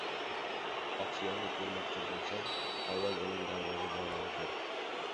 • Oqsuyakni ko‘rmoqchi bo‘lsang, avval uning darvozabonini ko‘r.